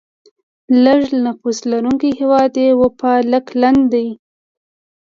لیږ نفوس لرونکی هیواد یې وفالکلند دی.